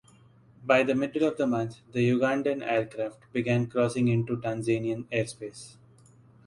By the middle of the month the Ugandan aircraft began crossing into Tanzanian airspace.